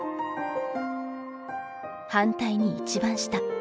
反対に一番下。